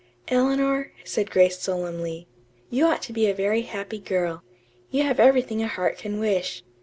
"Eleanor," said Grace solemnly, "you ought to be a very happy girl. You have everything a heart can wish.